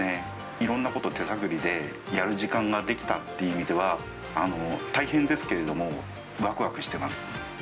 いろんなこと手探りでやる時間ができたっていう意味では、大変ですけれども、わくわくしてます。